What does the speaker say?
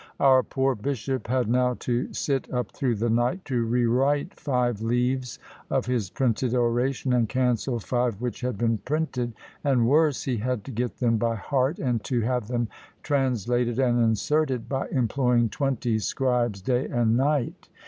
Our poor bishop had now to sit up through the night to re write five leaves of his printed oration, and cancel five which had been printed; and worse! he had to get them by heart, and to have them translated and inserted, by employing twenty scribes day and night.